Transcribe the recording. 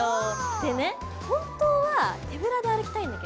でね本当は手ぶらで歩きたいんだけど。